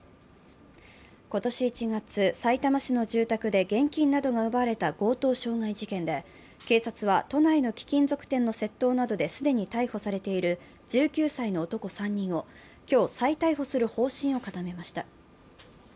今年１月、さいたま市の住宅で現金などが奪われた強盗傷害事件で、警察は都内の貴金属店の窃盗などで既に逮捕されている１９歳の男３人を今日、再逮捕する方針を固めました。